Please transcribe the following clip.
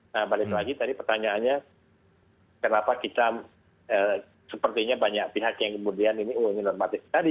nah balik lagi tadi pertanyaannya kenapa kita sepertinya banyak pihak yang kemudian ini normatif tadi